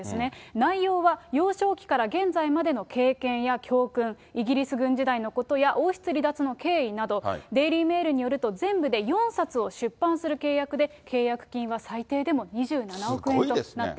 内容は、幼少期から現在までの経験や教訓、イギリス軍時代のことや王室離脱の経緯など、デイリー・メールによると、全部で４冊を出版する契約で、契約金が最低でも２７億円となって